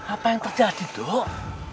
apa yang terjadi dok